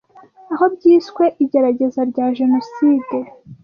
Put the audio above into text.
aho byiswe igerageza rya jenoside